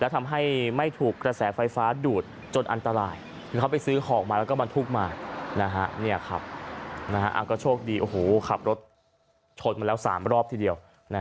ทำให้ไม่ถูกกระแสไฟฟ้าดูดจนอันตราย